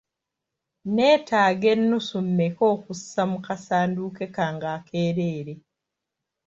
Nneetaaga ennusu mmeka okussa mu kasanduuke kange akeereere?